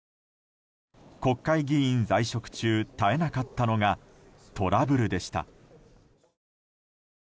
国会議員在職中絶えなかったのがトラブルでした。